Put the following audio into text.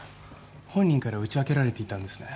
本人から打ち明けられていたんですね？